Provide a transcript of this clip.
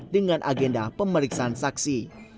dengan agenda pemeriksaan saksi